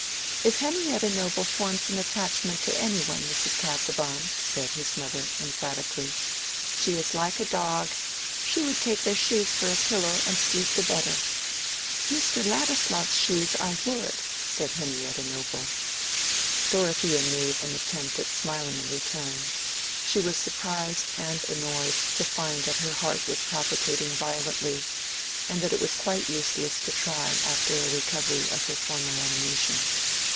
"If Henrietta Noble forms an attachment to any one, Mrs. Casaubon," said his mother, emphatically,—"she is like a dog—she would take their shoes for a pillow and sleep the better." "Mr. Ladislaw's shoes, I would," said Henrietta Noble. Dorothea made an attempt at smiling in return. She was surprised and annoyed to find that her heart was palpitating violently, and that it was quite useless to try after a recovery of her former animation.